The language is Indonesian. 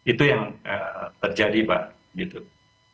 itu yang terjadi pak gitu